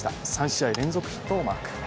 ３試合連続ヒットをマーク。